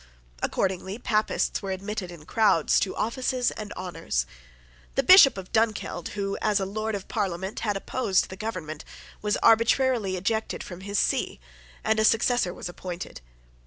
Accordingly Papists were admitted in crowds to offices and honours. The Bishop of Dunkeld, who, as a Lord of Parliament, had opposed the government, was arbitrarily ejected from his see, and a successor was appointed.